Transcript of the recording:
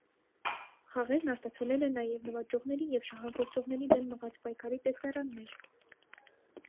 Խաղերն արտացոլել են նաև նվաճողների և շահագործողների դեմ մղած պայքարի տեսարաններ։